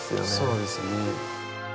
そうですね。